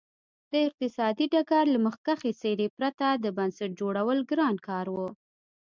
د اقتصادي ډګر له مخکښې څېرې پرته د بنسټ جوړول ګران کار و.